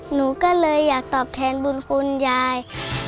หนูก็เลยอยากตอบแทนบุญคุณยาย